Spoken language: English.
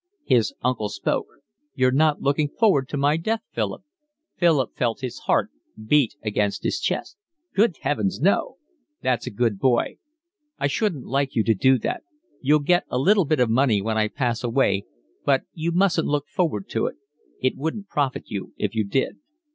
His uncle spoke. "You're not looking forward to my death, Philip?" Philip felt his heart beat against his chest. "Good heavens, no." "That's a good boy. I shouldn't like you to do that. You'll get a little bit of money when I pass away, but you mustn't look forward to it. It wouldn't profit you if you did."